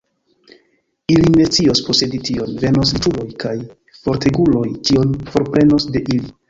Ili ne scios posedi tion; venos riĉuloj kaj forteguloj, ĉion forprenos de ili.